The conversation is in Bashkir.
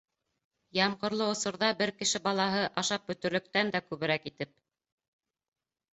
Ямғырлы осорҙа бер кеше балаһы ашап бөтөрлөктән дә күберәк итеп.